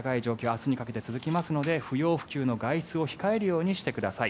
明日にかけて続きますので不要不急の外出を控えるようにしてください。